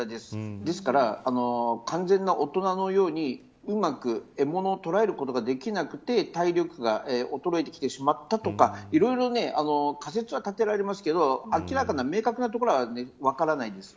ですから、完全な大人のようにうまく獲物を捕らえることができなくて体力が衰えてきてしまったとかいろいろ仮説は立てられますけど明確なところは分からないんです。